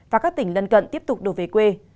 và các tỉnh lân cận tiếp tục đổ về quê